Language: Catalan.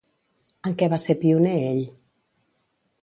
En què va ser pioner ell?